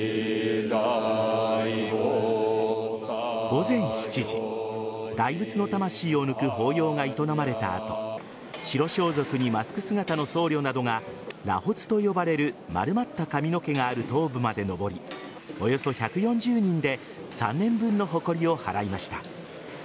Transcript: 午前７時大仏の魂を抜く法要が営まれた後白装飾にマスク姿の僧侶などが螺髪と呼ばれる丸まった髪の毛がある頭部まで上りおよそ１４０人で３年分のほこりを払いました。